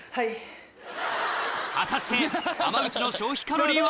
果たして浜口の消費カロリーは？